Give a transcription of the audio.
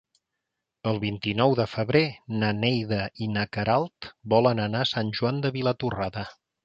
El vint-i-nou de febrer na Neida i na Queralt volen anar a Sant Joan de Vilatorrada.